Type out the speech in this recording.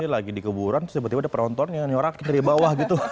lagi di kuburan terus tiba tiba ada penonton yang nyorak dari bawah gitu